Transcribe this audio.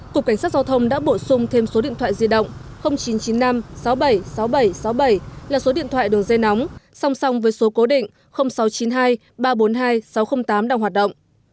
cục cảnh sát giao thông đã bổ sung thêm số điện thoại di động chín trăm chín mươi năm sáu mươi bảy sáu nghìn bảy trăm sáu mươi bảy là số điện thoại đường dây nóng song song với số cố định sáu trăm chín mươi hai ba trăm bốn mươi hai sáu trăm linh tám đang hoạt động